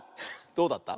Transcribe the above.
どうだった？